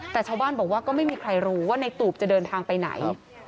แต่ชาวบ้านบอกว่าก็ไม่มีใครรู้ว่าในตูบจะเดินทางไปไหน